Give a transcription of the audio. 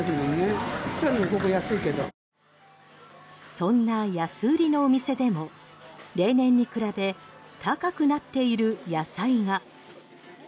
そんな安売りのお店でも例年に比べて高くなっている野菜が。